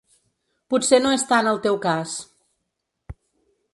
Potser no és tant el teu cas.